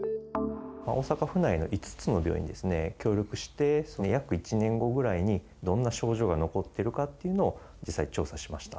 大阪府内の５つの病院ですね、協力して、約１年後ぐらいに、どんな症状が残っているかっていうのを実際調査しました。